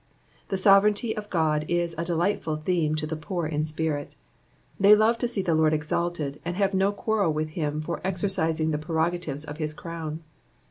The sovereignty of God is a delightful theme to the poor i'^ spirit ; they love to see the Lord exalted, and have no quarrel with him for exercising the prerogatives of his crown.